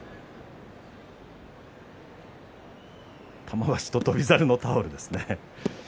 玉鷲と翔猿のタオルですね。